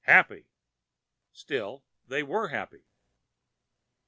"Happy!" Still they were happy.